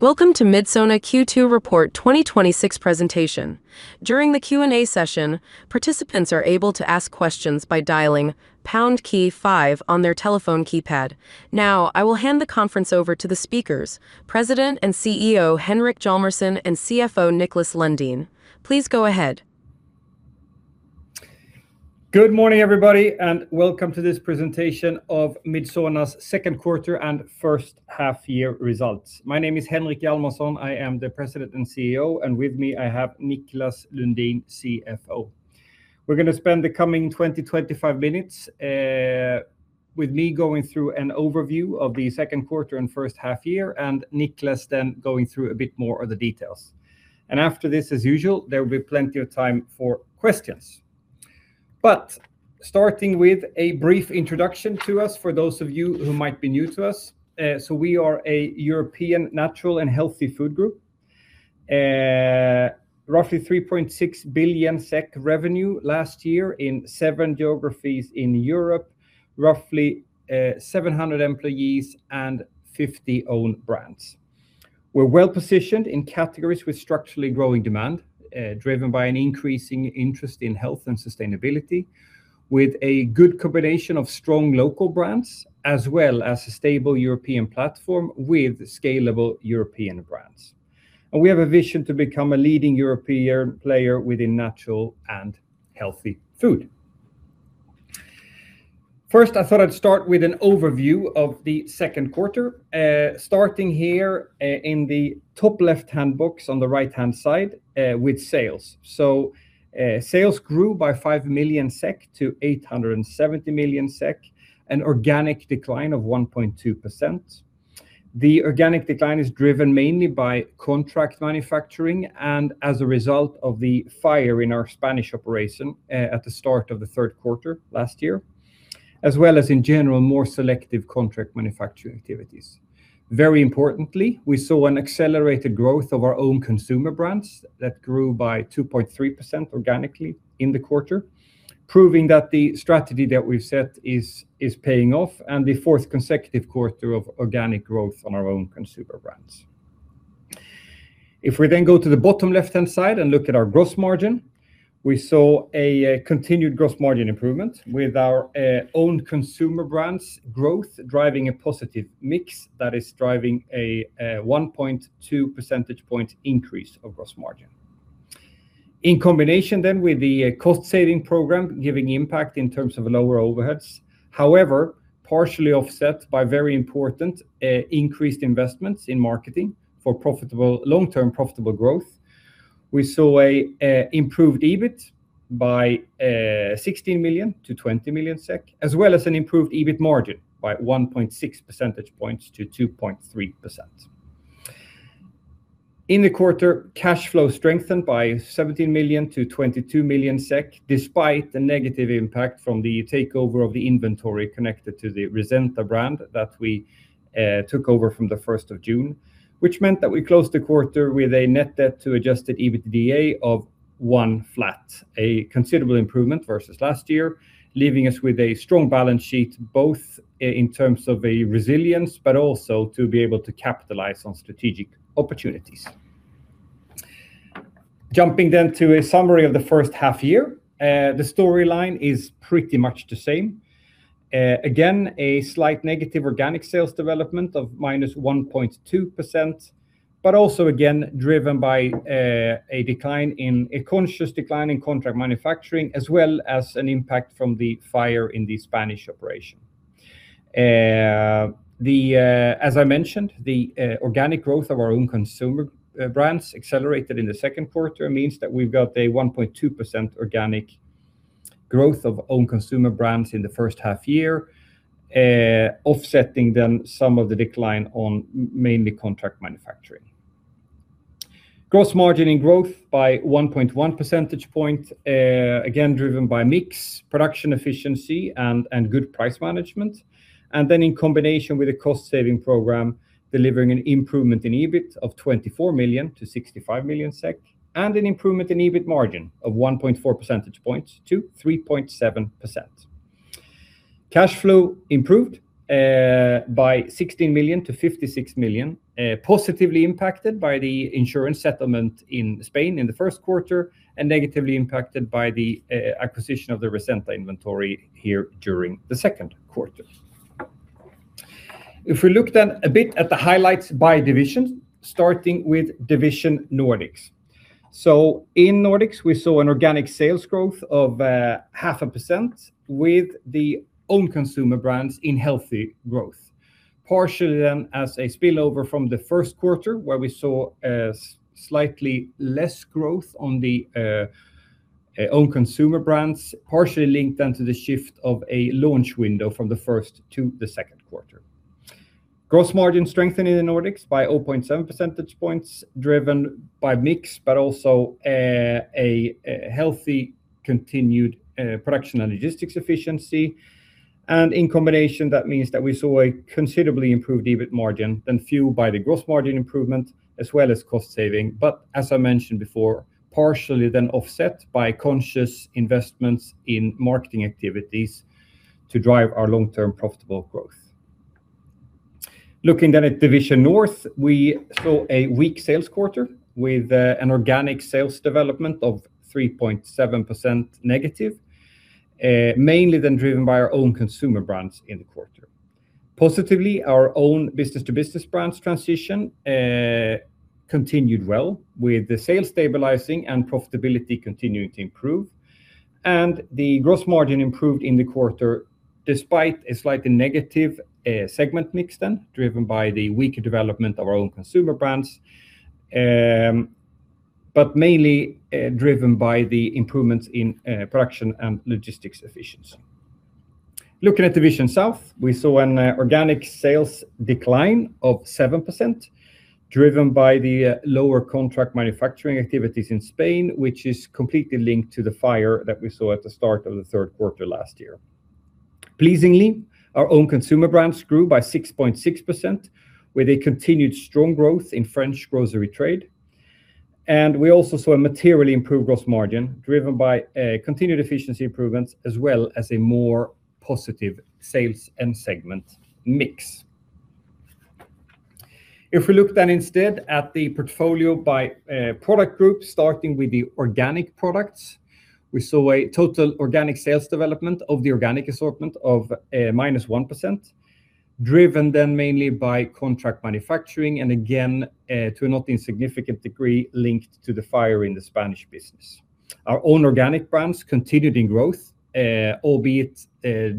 Welcome to Midsona Q2 Report 2026 presentation. During the Q&A session, participants are able to ask questions by dialing pound key five on their telephone keypad. I will hand the conference over to the speakers, President and CEO, Henrik Hjalmarsson, and CFO Niclas Lundin. Please go ahead. Good morning, everybody, welcome to this presentation of Midsona's second quarter and first half year results. My name is Henrik Hjalmarsson. I am the President and CEO, with me I have Niclas Lundin, CFO. We're going to spend the coming 20-25 minutes with me going through an overview of the second quarter and first half year, Niclas then going through a bit more of the details. After this, as usual, there will be plenty of time for questions. Starting with a brief introduction to us, for those of you who might be new to us. We are a European natural and healthy food group. Roughly 3.6 billion SEK revenue last year in seven geographies in Europe. Roughly 700 employees and 50 owned brands. We're well-positioned in categories with structurally growing demand, driven by an increasing interest in health and sustainability, with a good combination of strong local brands, as well as a stable European platform with scalable European brands. We have a vision to become a leading European player within natural and healthy food. First, I thought I'd start with an overview of the second quarter, starting here in the top left-hand box on the right-hand side with sales. Sales grew by 5 million SEK to 870 million SEK, an organic decline of 1.2%. The organic decline is driven mainly by contract manufacturing as a result of the fire in our Spanish operation at the start of the third quarter last year, as well as in general, more selective contract manufacturing activities. Very importantly, we saw an accelerated growth of our own consumer brands that grew by 2.3% organically in the quarter, proving that the strategy that we've set is paying off and the fourth consecutive quarter of organic growth on our own consumer brands. If we go to the bottom left-hand side and look at our gross margin, we saw a continued gross margin improvement with our own consumer brands growth driving a positive mix that is driving a 1.2 percentage point increase of gross margin. In combination with the cost-saving program giving impact in terms of lower overheads, however, partially offset by very important increased investments in marketing for long-term profitable growth. We saw an improved EBIT by 16 million to 20 million SEK, as well as an improved EBIT margin by 1.6 percentage points to 2.3%. In the quarter, cash flow strengthened by 17 million to 22 million SEK, despite the negative impact from the takeover of the inventory connected to the Risenta brand that we took over from the 1st of June, which meant that we closed the quarter with a net debt to adjusted EBITDA of 1x flat, a considerable improvement versus last year, leaving us with a strong balance sheet, both in terms of a resilience, also to be able to capitalize on strategic opportunities. Jumping to a summary of the first half year. The storyline is pretty much the same. A slight negative organic sales development of -1.2%, also again driven by a conscious decline in contract manufacturing as well as an impact from the fire in the Spanish operation. As I mentioned, the organic growth of our own consumer brands accelerated in the second quarter means that we've got a 1.2% organic growth of own consumer brands in the first half-year, offsetting some of the decline on mainly contract manufacturing. Gross margin growth by 1.1 percentage point, driven by mix, production efficiency, and good price management. In combination with a cost-saving program, delivering an improvement in EBIT of 24 million to 65 million SEK and an improvement in EBIT margin of 1.4 percentage points to 3.7%. Cash flow improved by 16 million to 56 million, positively impacted by the insurance settlement in Spain in the first quarter and negatively impacted by the acquisition of the Risenta inventory here during the second quarter. If we look a bit at the highlights by division, starting with Division Nordics. In Nordics, we saw an organic sales growth of 0.5% with the own consumer brands in healthy growth. Partially as a spillover from the first quarter where we saw slightly less growth on the own consumer brands, partially linked to the shift of a launch window from the first to the second quarter. Gross margin strengthening the Nordics by 0.7 percentage points, also a healthy continued production and logistics efficiency. In combination, that means that we saw a considerably improved EBIT margin then fueled by the gross margin improvement, as well as cost saving. As I mentioned before, partially offset by conscious investments in marketing activities to drive our long-term profitable growth. Looking at Division North, we saw a weak sales quarter with an organic sales development of -3.7%, mainly driven by our own consumer brands in the quarter. Positively, our own business-to-business brands transition continued well with the sales stabilizing and profitability continuing to improve, the gross margin improved in the quarter despite a slightly negative segment mix then driven by the weaker development of our own consumer brands, mainly driven by the improvements in production and logistics efficiency. Looking at Division South, we saw an organic sales decline of 7%, driven by the lower contract manufacturing activities in Spain, which is completely linked to the fire that we saw at the start of the third quarter last year. Pleasingly, our own consumer brands grew by 6.6%, with a continued strong growth in French grocery trade. We also saw a materially improved gross margin driven by continued efficiency improvements as well as a more positive sales and segment mix. If we look then instead at the portfolio by product group, starting with the organic products, we saw a total organic sales development of the organic assortment of -1%, driven then mainly by contract manufacturing and again, to a not insignificant degree, linked to the fire in the Spanish business. Our own organic brands continued in growth, albeit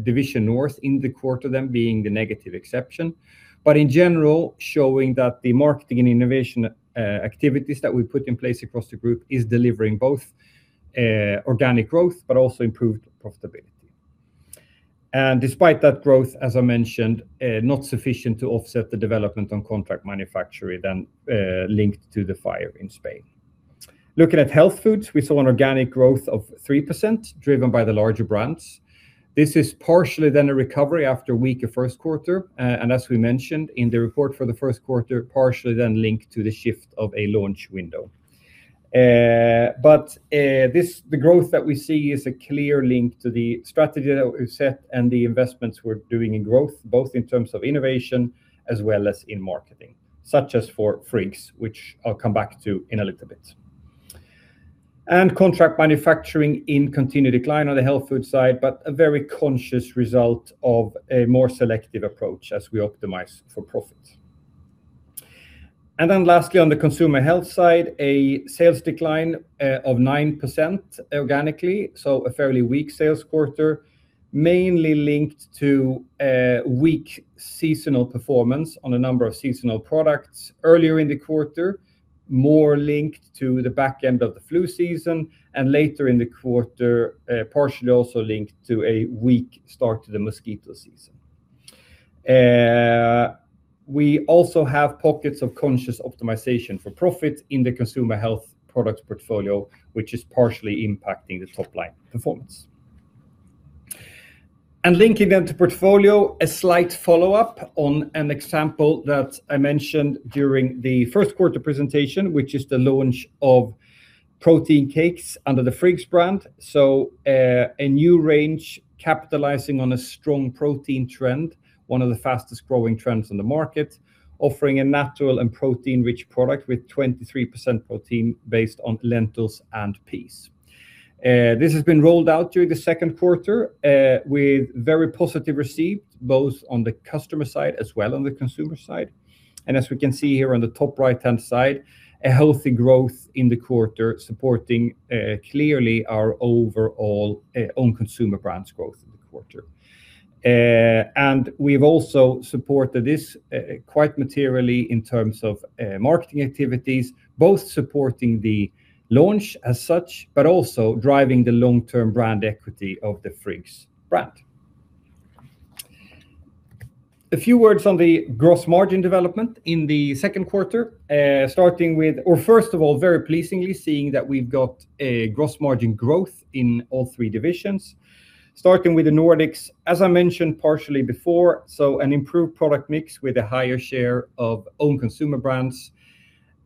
Division North in the quarter then being the negative exception, but in general, showing that the marketing and innovation activities that we've put in place across the group is delivering both organic growth but also improved profitability. Despite that growth, as I mentioned, not sufficient to offset the development on contract manufacturing then linked to the fire in Spain. Looking at health foods, we saw an organic growth of 3% driven by the larger brands. This is partially then a recovery after weaker first quarter, and as we mentioned in the report for the first quarter, partially then linked to the shift of a launch window. The growth that we see is a clear link to the strategy that we've set and the investments we're doing in growth, both in terms of innovation as well as in marketing, such as for Friggs, which I'll come back to in a little bit. Contract manufacturing in continued decline on the health food side, but a very conscious result of a more selective approach as we optimize for profit. Lastly, on the consumer health side, a sales decline of 9% organically, so a fairly weak sales quarter, mainly linked to weak seasonal performance on a number of seasonal products earlier in the quarter, more linked to the back end of the flu season and later in the quarter, partially also linked to a weak start to the mosquito season. We also have pockets of conscious optimization for profit in the consumer health product portfolio, which is partially impacting the top-line performance. Linking then to portfolio, a slight follow-up on an example that I mentioned during the first quarter presentation, which is the launch of protein cakes under the Friggs brand. A new range capitalizing on a strong protein trend, one of the fastest-growing trends in the market, offering a natural and protein-rich product with 23% protein based on lentils and peas. This has been rolled out during the second quarter, with very positive receipt, both on the customer side as well on the consumer side. As we can see here on the top right-hand side, a healthy growth in the quarter supporting clearly our overall own consumer brands growth in the quarter. We've also supported this quite materially in terms of marketing activities, both supporting the launch as such, but also driving the long-term brand equity of the Friggs brand. A few words on the gross margin development in the second quarter, first of all, very pleasingly, seeing that we've got a gross margin growth in all three divisions. Starting with the Nordics, as I mentioned partially before, an improved product mix with a higher share of own consumer brands.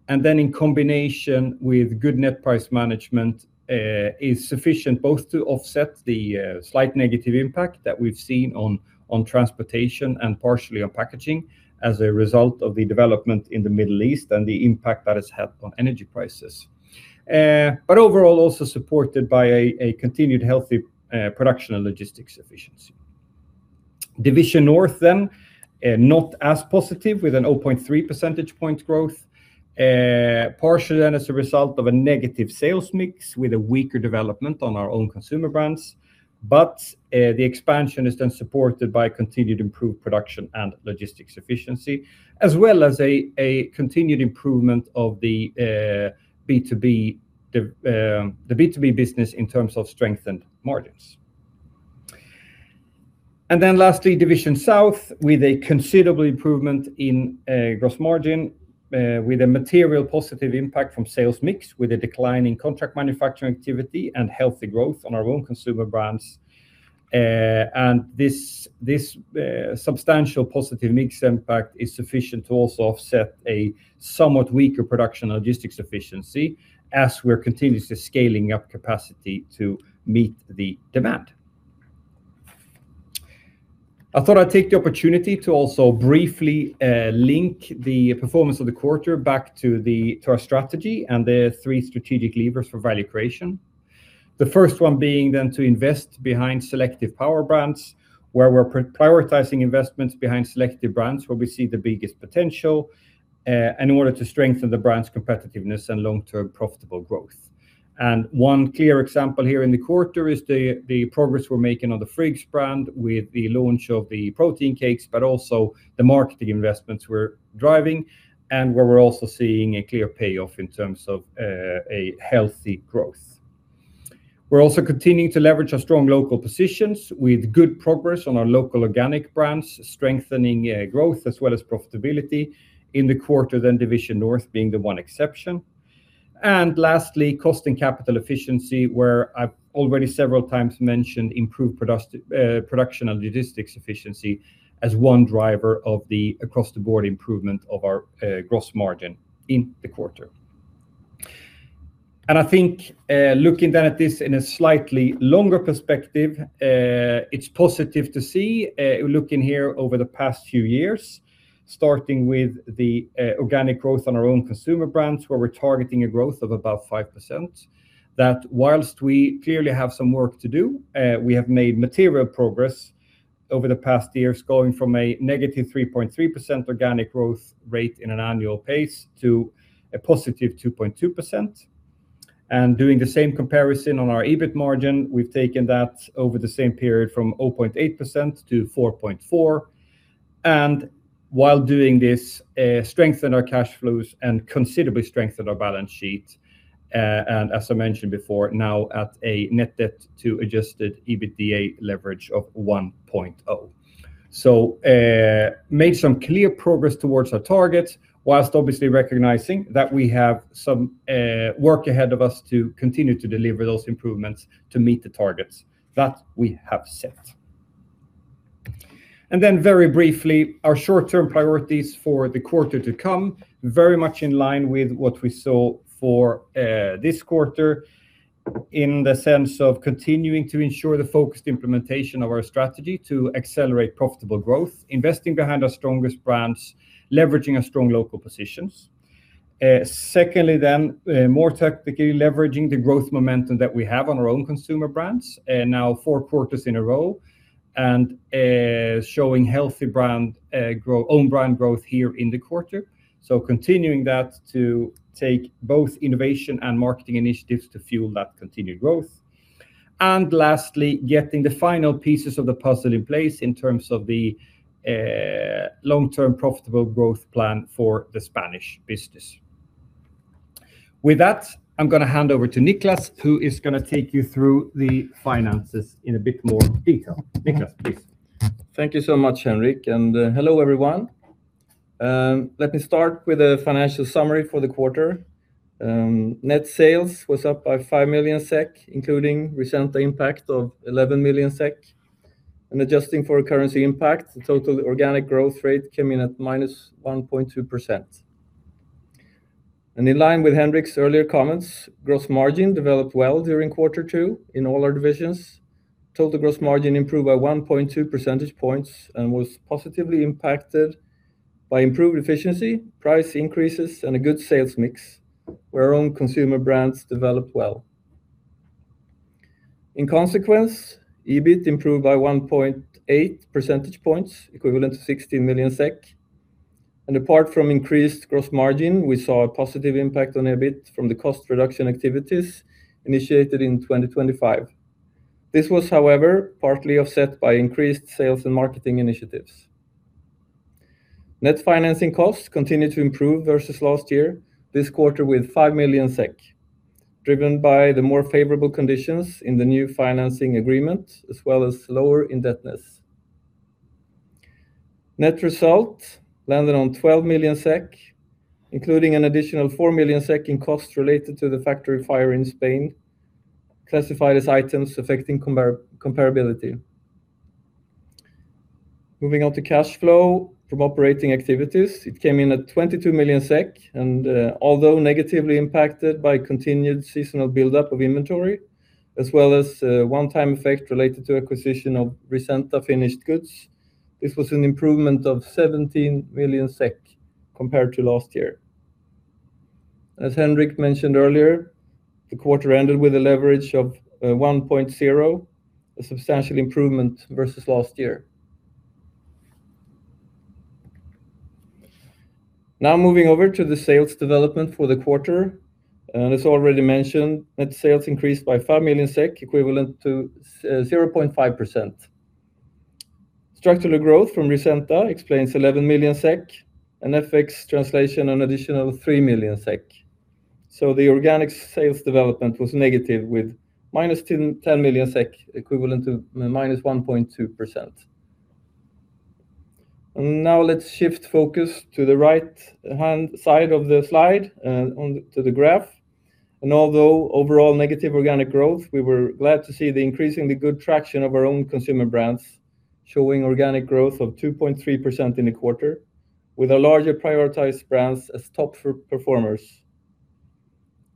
In combination with good net price management, is sufficient both to offset the slight negative impact that we've seen on transportation and partially on packaging as a result of the development in the Middle East and the impact that has had on energy prices. Overall, also supported by a continued healthy production and logistics efficiency. Division North, not as positive with a 0.3 percentage point growth, partially as a result of a negative sales mix with a weaker development on our own consumer brands. The expansion is supported by continued improved production and logistics efficiency, as well as a continued improvement of the B2B business in terms of strengthened margins. Lastly, Division South with a considerable improvement in gross margin, with a material positive impact from sales mix, with a decline in contract manufacturing activity and healthy growth on our own consumer brands. This substantial positive mix impact is sufficient to also offset a somewhat weaker production logistics efficiency as we're continuously scaling up capacity to meet the demand. I thought I'd take the opportunity to also briefly link the performance of the quarter back to our strategy and the three strategic levers for value creation. First one being to invest behind selective power brands, where we're prioritizing investments behind selective brands where we see the biggest potential in order to strengthen the brand's competitiveness and long-term profitable growth. One clear example here in the quarter is the progress we're making on the Friggs brand with the launch of the protein cakes, also the marketing investments we're driving and where we're also seeing a clear payoff in terms of a healthy growth. We're also continuing to leverage our strong local positions with good progress on our local organic brands, strengthening growth as well as profitability in the quarter, Division North being the one exception. Lastly, cost and capital efficiency, where I've already several times mentioned improved production and logistics efficiency as one driver of the across-the-board improvement of our gross margin in the quarter. I think looking at this in a slightly longer perspective, it's positive to see, looking here over the past few years, starting with the organic growth on our own consumer brands, where we're targeting a growth of about 5%, that whilst we clearly have some work to do, we have made material progress over the past years, going from a -3.3% organic growth rate in an annual pace to a +2.2%. Doing the same comparison on our EBIT margin, we've taken that over the same period from 0.8% to 4.4%. While doing this, strengthened our cash flows and considerably strengthened our balance sheet, and as I mentioned before, now at a net debt to adjusted EBITDA leverage of 1.0x. Made some clear progress towards our target, while obviously recognizing that we have some work ahead of us to continue to deliver those improvements to meet the targets that we have set. Very briefly, our short-term priorities for the quarter to come, very much in line with what we saw for this quarter in the sense of continuing to ensure the focused implementation of our strategy to accelerate profitable growth, investing behind our strongest brands, leveraging our strong local positions. More tactically leveraging the growth momentum that we have on our own consumer brands, now four quarters in a row, and showing healthy own brand growth here in the quarter. Continuing that to take both innovation and marketing initiatives to fuel that continued growth. Lastly, getting the final pieces of the puzzle in place in terms of the long-term profitable growth plan for the Spanish business. With that, I'm going to hand over to Niclas, who is going to take you through the finances in a bit more detail. Niclas, please. Thank you so much, Henrik, and hello, everyone. Let me start with a financial summary for the quarter. Net sales was up by 5 million SEK, including Risenta impact of 11 million SEK, and adjusting for currency impact, the total organic growth rate came in at -1.2%. In line with Henrik's earlier comments, gross margin developed well during quarter two in all our divisions. Total gross margin improved by 1.2 percentage points and was positively impacted by improved efficiency, price increases, and a good sales mix where our own consumer brands developed well. In consequence, EBIT improved by 1.8 percentage points, equivalent to 16 million SEK. Apart from increased gross margin, we saw a positive impact on EBIT from the cost reduction activities initiated in 2025. This was, however, partly offset by increased sales and marketing initiatives. Net financing costs continued to improve versus last year, this quarter with 5 million SEK, driven by the more favorable conditions in the new financing agreement, as well as lower indebtedness. Net result landed on 12 million SEK, including an additional 4 million SEK in costs related to the factory fire in Spain, classified as items affecting comparability. Moving on to cash flow from operating activities. It came in at 22 million SEK, and although negatively impacted by continued seasonal buildup of inventory, as well as a one-time effect related to acquisition of Risenta finished goods, this was an improvement of 17 million SEK compared to last year. As Henrik mentioned earlier, the quarter ended with a leverage of 1.0x, a substantial improvement versus last year. Now moving over to the sales development for the quarter. As already mentioned, net sales increased by 5 million SEK, equivalent to 0.5%. Structural growth from Risenta explains 11 million SEK, FX translation an additional 3 million SEK. The organic sales development was negative with -10 million SEK, equivalent to -1.2%. Now let's shift focus to the right-hand side of the slide, to the graph. Although overall negative organic growth, we were glad to see the increasingly good traction of our own consumer brands, showing organic growth of 2.3% in the quarter with our larger prioritized brands as top performers.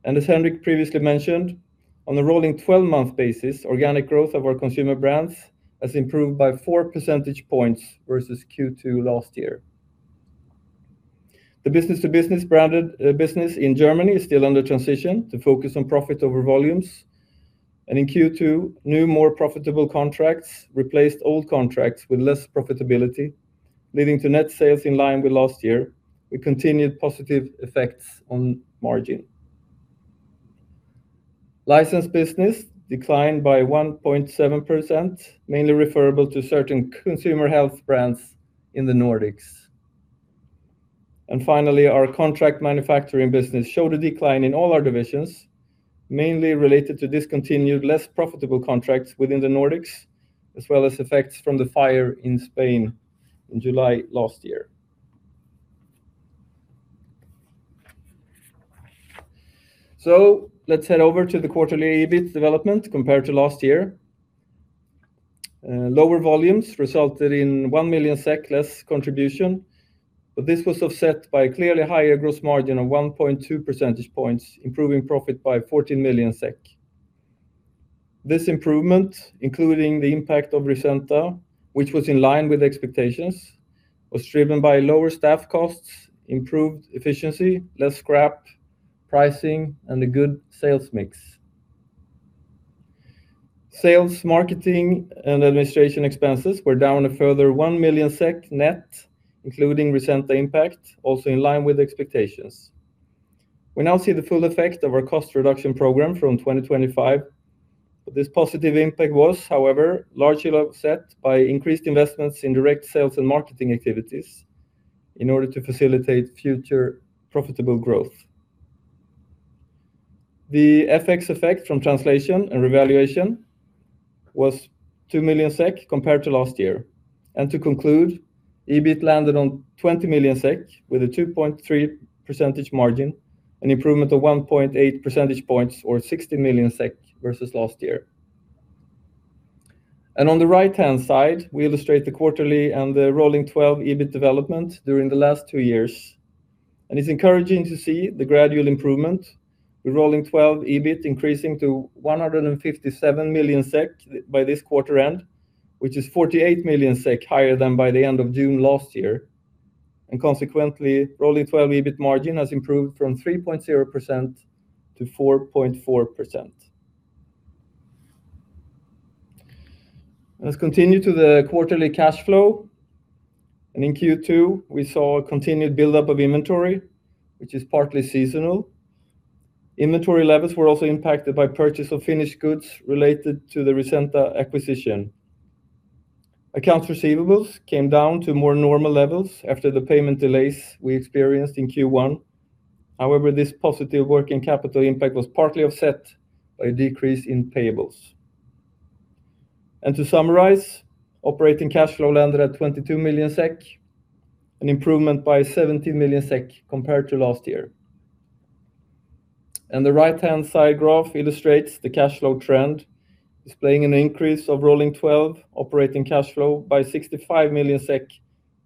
As Henrik previously mentioned, on the rolling 12-month basis, organic growth of our consumer brands has improved by 4 percentage points versus Q2 last year. The business-to-business branded business in Germany is still under transition to focus on profit over volumes, in Q2, new, more profitable contracts replaced old contracts with less profitability, leading to net sales in line with last year, with continued positive effects on margin. Licensed business declined by 1.7%, mainly referable to certain consumer health brands in the Nordics. Finally, our contract manufacturing business showed a decline in all our divisions, mainly related to discontinued, less profitable contracts within the Nordics, as well as effects from the fire in Spain in July last year. Let's head over to the quarterly EBIT development compared to last year. Lower volumes resulted in 1 million SEK less contribution, but this was offset by a clearly higher gross margin of 1.2 percentage points, improving profit by 14 million SEK. This improvement, including the impact of Risenta, which was in line with expectations, was driven by lower staff costs, improved efficiency, less scrap, pricing, and a good sales mix. Sales, marketing, and administration expenses were down a further 1 million SEK net, including Risenta impact, also in line with expectations. We now see the full effect of our cost reduction program from 2025. This positive impact was, however, largely offset by increased investments in direct sales and marketing activities in order to facilitate future profitable growth. The FX effect from translation and revaluation was 2 million SEK compared to last year. To conclude, EBIT landed on 20 million SEK with a 2.3% margin, an improvement of 1.8 percentage points or 16 million SEK versus last year. On the right-hand side, we illustrate the quarterly and the rolling 12 EBIT development during the last two years, and it's encouraging to see the gradual improvement with rolling 12 EBIT increasing to 157 million SEK by this quarter end, which is 48 million SEK higher than by the end of June last year. Consequently, rolling 12 EBIT margin has improved from 3.0% to 4.4%. Let's continue to the quarterly cash flow. In Q2, we saw a continued buildup of inventory, which is partly seasonal. Inventory levels were also impacted by purchase of finished goods related to the Risenta acquisition. Accounts receivables came down to more normal levels after the payment delays we experienced in Q1. However, this positive working capital impact was partly offset by a decrease in payables. To summarize, operating cash flow landed at 22 million SEK, an improvement by 17 million SEK compared to last year. The right-hand side graph illustrates the cash flow trend, displaying an increase of rolling 12 operating cash flow by 65 million SEK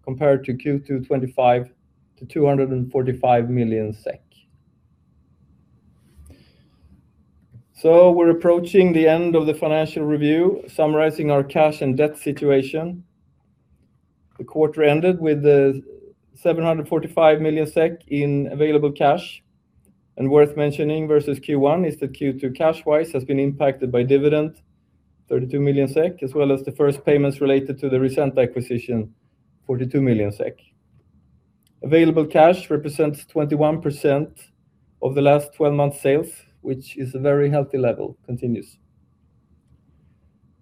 compared to Q2 2025 to 245 million SEK. We are approaching the end of the financial review, summarizing our cash and debt situation. The quarter ended with 745 million SEK in available cash. Worth mentioning versus Q1 is that Q2 cash-wise has been impacted by dividend, 32 million SEK, as well as the first payments related to the recent acquisition, 42 million SEK. Available cash represents 21% of the last 12 months' sales, which is a very healthy level, continuous.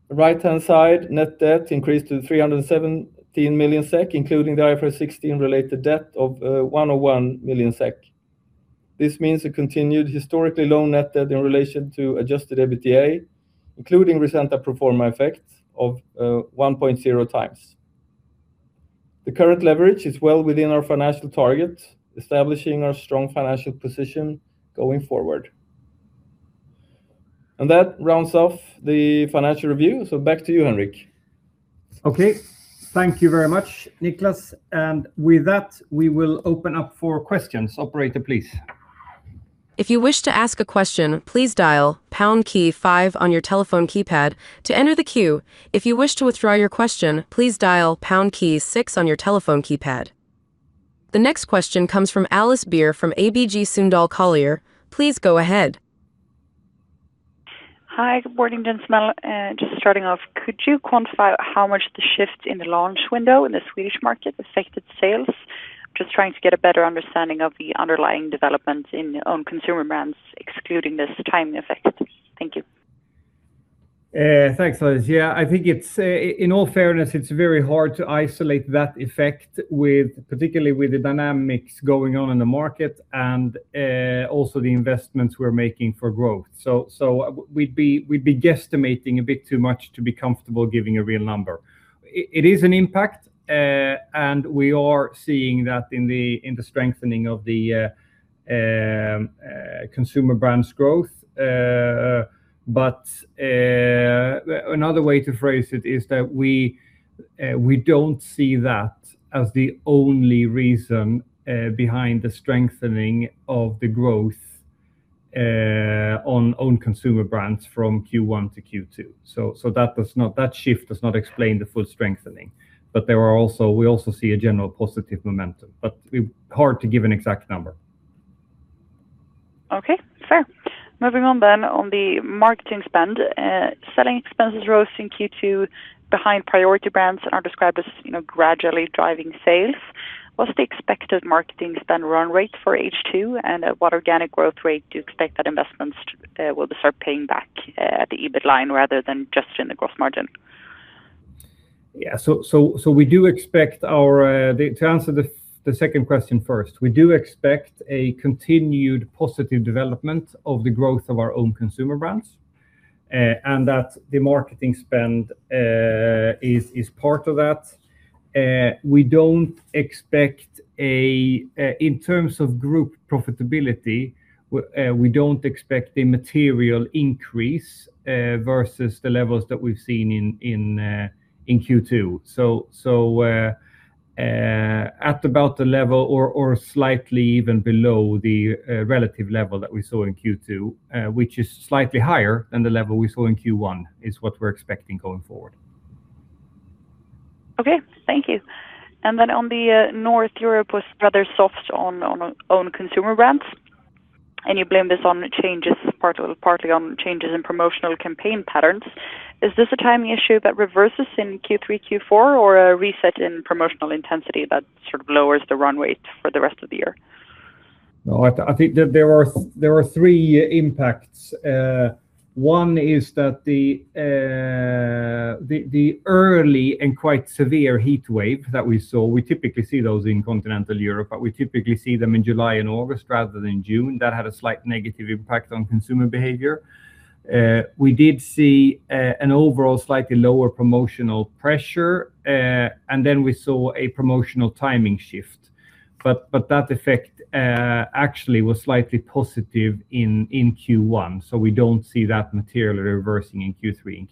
The right-hand side net debt increased to 317 million SEK, including the IFRS 16 related debt of 101 million SEK. This means a continued historically low net debt in relation to adjusted EBITDA, including Risenta pro forma effect of 1.0x. The current leverage is well within our financial target, establishing our strong financial position going forward. That rounds off the financial review. Back to you, Henrik. Okay. Thank you very much, Niclas. With that, we will open up for questions. Operator, please. If you wish to ask a question, please dial pound key five on your telephone keypad to enter the queue. If you wish to withdraw your question, please dial pound key six on your telephone keypad. The next question comes from Alice Beer from ABG Sundal Collier. Please go ahead. Hi. Good morning, gentlemen. Just starting off, could you quantify how much the shift in the launch window in the Swedish market affected sales? Just trying to get a better understanding of the underlying development in your own consumer brands, excluding this timing effect. Thank you. Thanks, Alice. Yeah, I think in all fairness, it's very hard to isolate that effect, particularly with the dynamics going on in the market and also the investments we're making for growth. We'd be guesstimating a bit too much to be comfortable giving a real number. It is an impact, and we are seeing that in the strengthening of the consumer brand's growth. Another way to phrase it is that we don't see that as the only reason behind the strengthening of the growth on own consumer brands from Q1 to Q2. That shift does not explain the full strengthening. We also see a general positive momentum, but hard to give an exact number. Okay, fair. Moving on then on the marketing spend. Selling expenses rose in Q2 behind priority brands and are described as gradually driving sales. What's the expected marketing spend run rate for H2, and what organic growth rate do you expect that investments will start paying back at the EBIT line rather than just in the gross margin? Yeah. To answer the second question first, we do expect a continued positive development of the growth of our own consumer brands, and that the marketing spend is part of that. In terms of group profitability, we don't expect a material increase versus the levels that we've seen in Q2. At about the level or slightly even below the relative level that we saw in Q2, which is slightly higher than the level we saw in Q1, is what we're expecting going forward. Okay, thank you. On the North Europe was rather soft on own consumer brands, and you blame this partly on changes in promotional campaign patterns. Is this a timing issue that reverses in Q3, Q4, or a reset in promotional intensity that sort of lowers the run rate for the rest of the year? I think there are three impacts. One is that the early and quite severe heat wave that we saw, we typically see those in continental Europe, but we typically see them in July and August rather than June. That had a slight negative impact on consumer behavior. We did see an overall slightly lower promotional pressure, we saw a promotional timing shift. That effect actually was slightly positive in Q1, so we don't see that materially reversing in Q3 and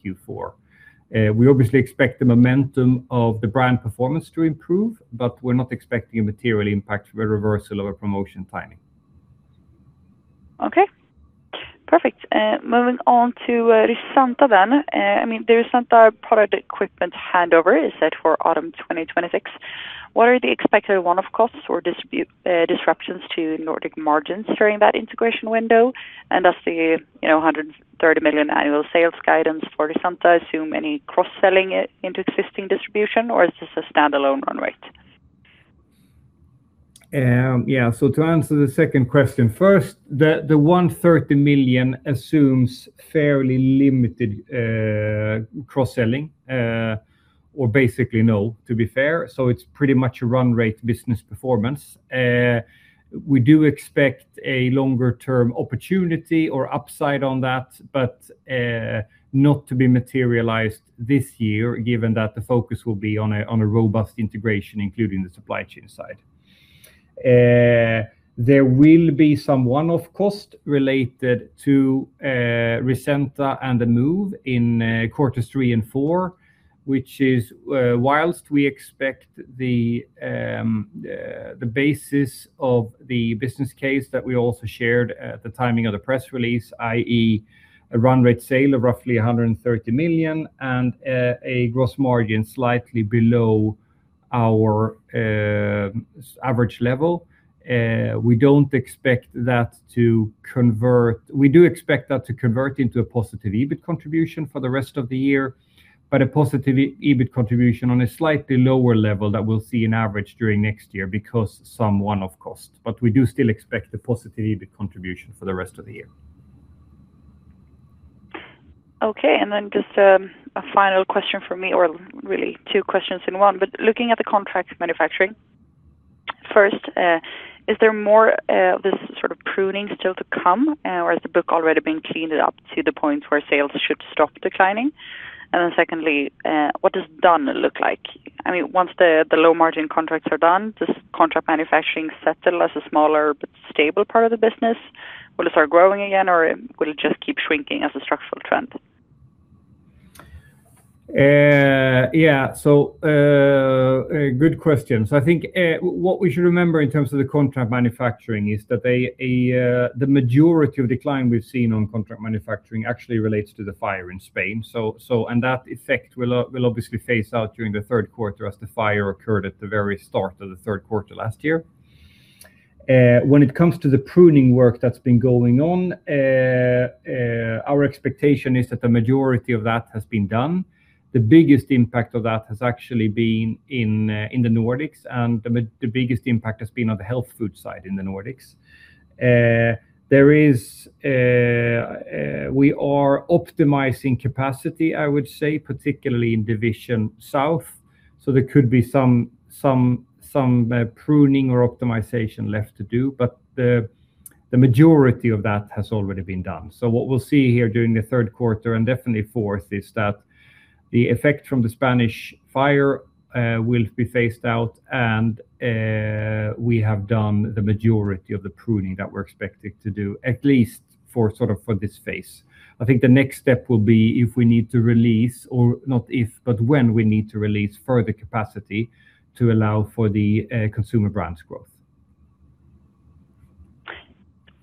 Q4. We obviously expect the momentum of the brand performance to improve, but we're not expecting a material impact, a reversal of a promotion timing. Okay, perfect. Moving on to Risenta. I mean, the Risenta product equipment handover is set for autumn 2026. What are the expected one-off costs or disruptions to Nordics margins during that integration window? Does the 130 million annual sales guidance for Risenta assume any cross-selling into existing distribution, or is this a standalone run rate? To answer the second question first, the 130 million assumes fairly limited cross-selling, or basically no, to be fair. It's pretty much a run rate business performance. We do expect a longer-term opportunity or upside on that, but not to be materialized this year given that the focus will be on a robust integration, including the supply chain side. There will be some one-off cost related to Risenta and the move in quarters three and four, which is, whilst we expect the basis of the business case that we also shared at the timing of the press release, i.e. a run rate sale of roughly 130 million and a gross margin slightly below our average level. We do expect that to convert into a positive EBIT contribution for the rest of the year, a positive EBIT contribution on a slightly lower level that we'll see in average during next year because some one-off cost. We do still expect a positive EBIT contribution for the rest of the year. Okay, just a final question from me, or really two questions in one. Looking at the contract manufacturing, first, is there more of this sort of pruning still to come, or has the book already been cleaned up to the point where sales should stop declining? Secondly, what does done look like? Once the low margin contracts are done, does contract manufacturing settle as a smaller but stable part of the business? Will it start growing again, or will it just keep shrinking as a structural trend? Yeah. Good question. I think what we should remember in terms of the contract manufacturing is that the majority of decline we've seen on contract manufacturing actually relates to the fire in Spain. That effect will obviously phase out during the third quarter as the fire occurred at the very start of the third quarter last year. When it comes to the pruning work that's been going on, our expectation is that the majority of that has been done. The biggest impact of that has actually been in the Nordics, and the biggest impact has been on the health food side in the Nordics. We are optimizing capacity, I would say, particularly in Division South. There could be some pruning or optimization left to do, but the majority of that has already been done. What we'll see here during the third quarter and definitely fourth, is that the effect from the Spanish fire will be phased out and we have done the majority of the pruning that we're expected to do, at least for this phase. I think the next step will be if we need to release, or not if, but when we need to release further capacity to allow for the consumer brands growth.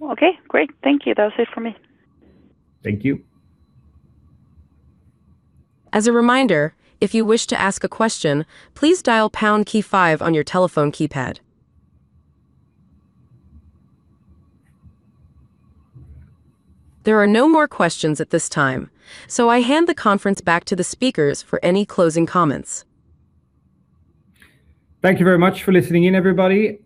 Okay, great. Thank you. That was it for me. Thank you. As a reminder, if you wish to ask a question, please dial pound key five on your telephone keypad. There are no more questions at this time. I hand the conference back to the speakers for any closing comments. Thank you very much for listening in, everybody.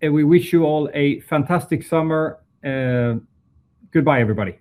We wish you all a fantastic summer. Goodbye, everybody.